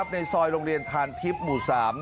ในซอยโรงเรียนทานทิพย์หมู่๓